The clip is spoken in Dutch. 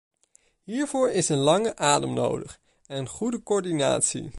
Hiervoor is een lange adem nodig en goede coördinatie.